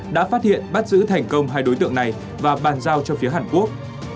đã phát hiện bắt giữ thành công hai đối tượng này và bàn giao cho phía hàn quốc